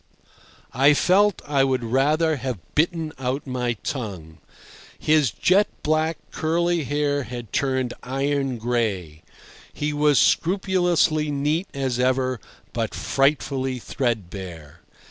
I felt I would rather have bitten out my tongue. His jet black, curly hair had turned iron gray; he was scrupulously neat as ever, but frightfully threadbare.